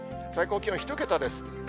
最高気温１桁です。